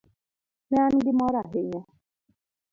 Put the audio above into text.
Ne an gi mor ahinya.